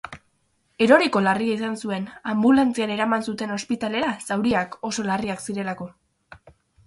Eroriko larria izan zuen, anbulantzian eraman zuten ospitalera zauriak oso larriak zirelako.